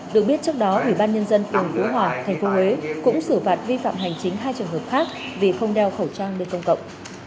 được biết trước đó ủy ban nhân dân phường phú hòa tp huế cũng xử phạt vi phạm hành chính hai trường hợp khác vì không đeo khẩu trang nơi công cộng